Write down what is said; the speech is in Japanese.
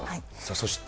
そして。